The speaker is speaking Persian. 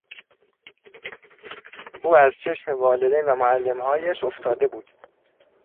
او از چشم والدین و معلمهایش افتاده بود.